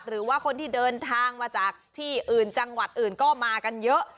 หรือว่าคนที่เดินทางมาจากที่อื่นจังหวัดอื่นก็มากันเยอะ